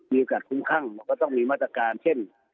มีโอกาสคุ้มข้างก็ต้องมีมาตรการเช่น